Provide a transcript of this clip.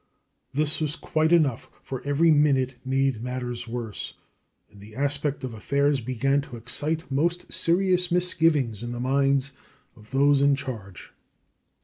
This was quite enough, for every minute made matters worse, and the aspect of affairs began to excite most serious misgivings in the minds of those in charge.